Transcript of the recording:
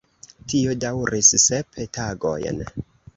Tio daŭris sep tagojn.